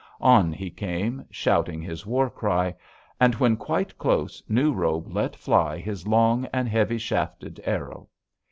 On he came, shouting his war cry, and when quite close New Robe let fly his long and heavy shafted arrow.